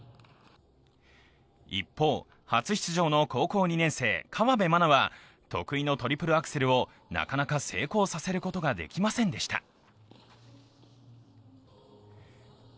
一方、初出場の高校２年生、河辺愛菜は得意のトリプルアクセルをなかなか成功させることができませんでした。